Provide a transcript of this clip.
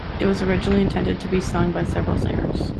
It was originally intended to be sung by several singers.